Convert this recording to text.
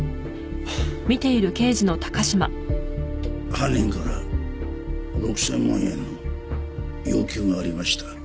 犯人から６０００万円の要求がありました。